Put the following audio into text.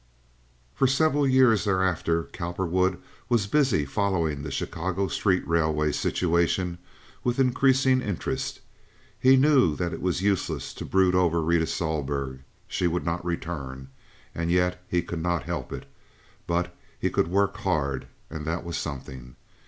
For several years thereafter Cowperwood was busy following the Chicago street railway situation with increasing interest. He knew it was useless to brood over Rita Sohlberg—she would not return—and yet he could not help it; but he could work hard, and that was something.